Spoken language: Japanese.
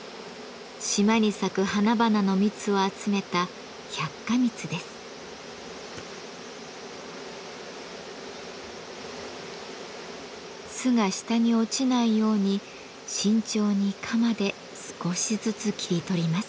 島に咲く花々の蜜を集めた巣が下に落ちないように慎重に鎌で少しずつ切り取ります。